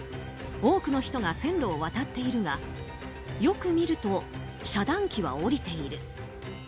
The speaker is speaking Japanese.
多くの人が線路を渡っているがよく見ると遮断機は下りている。